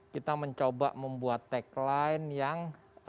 kita akan coba membuat tagline yang